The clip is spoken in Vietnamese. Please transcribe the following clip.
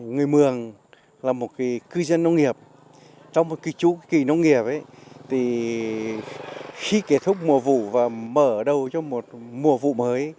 người mường là một cư dân nông nghiệp trong một cái chú kỳ nông nghiệp thì khi kết thúc mùa vụ và mở đầu cho một mùa vụ mới